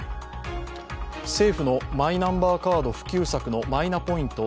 政府のマイナンバーカード普及策のマイナポイント